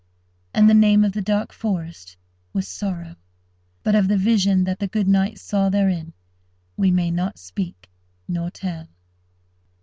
And the name of the dark forest was Sorrow; but of the vision that the good knight saw therein we may not speak nor tell.